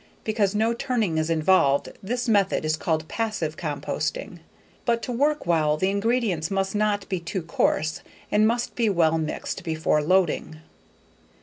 Because no turning is involved, this method is called "passive" composting. But to work well, the ingredients must not be too coarse and must be well mixed before loading.